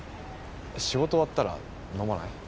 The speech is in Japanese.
仕事終わったら飲まない？